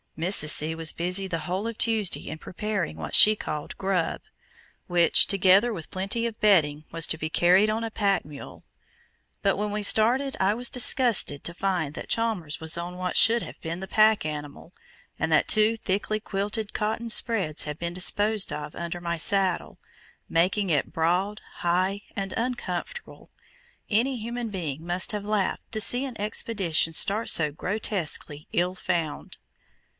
Mrs. C. was busy the whole of Tuesday in preparing what she called "grub," which, together with "plenty of bedding," was to be carried on a pack mule; but when we started I was disgusted to find that Chalmers was on what should have been the pack animal, and that two thickly quilted cotton "spreads" had been disposed of under my saddle, making it broad, high, and uncomfortable. Any human being must have laughed to see an expedition start so grotesquely "ill found."